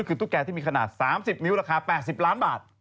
ก็คือตุ๊กแกที่มีขนาด๓๐นิ้วราคา๘๐ล้านบาท